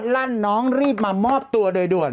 ลั่นน้องรีบมามอบตัวโดยด่วน